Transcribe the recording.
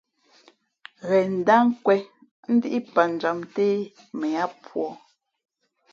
Ghen ndát nkwēn ά dǐʼ pǎtjam nté mα ǎ púá.